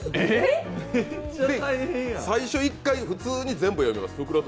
で、最初１回普通に全部、読みます。